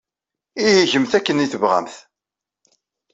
Ihi gemt akken ay tebɣamt.